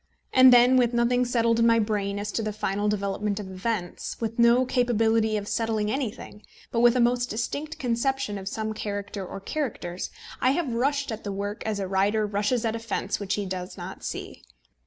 And then, with nothing settled in my brain as to the final development of events, with no capability of settling anything, but with a most distinct conception of some character or characters, I have rushed at the work as a rider rushes at a fence which he does not see.